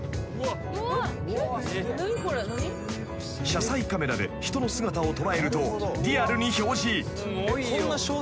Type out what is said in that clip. ［車載カメラで人の姿を捉えるとリアルに表示］